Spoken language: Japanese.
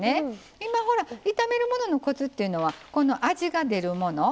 今ほら炒めるもののコツっていうのは味が出るもの